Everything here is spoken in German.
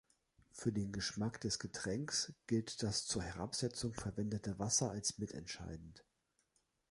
Für den Geschmack des Getränkes gilt das zur Herabsetzung verwendete Wasser als mitentscheidend.